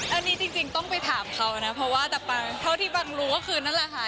อันนี้จริงต้องไปถามเขานะเพราะว่าแต่ปังเท่าที่ฟังรู้ก็คือนั่นแหละค่ะ